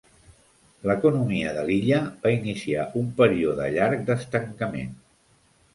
L"economia de l"illa va iniciar un període llarg d"estancament.